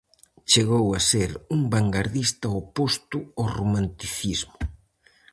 Chegou a ser un vangardista oposto ao Romanticismo.